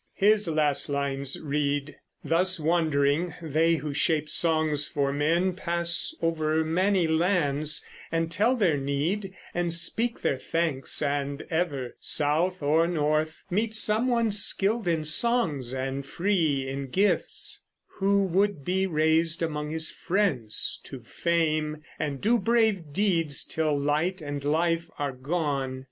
His last lines read: Thus wandering, they who shape songs for men Pass over many lands, and tell their need, And speak their thanks, and ever, south or north, Meet someone skilled in songs and free in gifts, Who would be raised among his friends to fame And do brave deeds till light and life are gone.